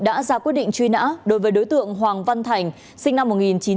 đã ra quyết định truy nã đối với đối tượng hoàng văn thành sinh năm một nghìn chín trăm tám mươi